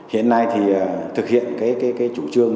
hiện nay thì thực hiện cái chủ trương